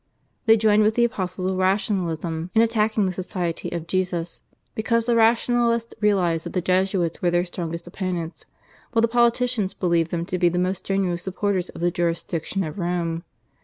They joined with the apostles of rationalism in attacking the Society of Jesus, because the rationalists realised that the Jesuits were their strongest opponents, while the politicians believed them to be the most strenuous supporters of the jurisdiction of Rome.